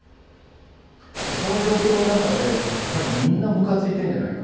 その状況の中でやはりみんなムカついてんじゃないか。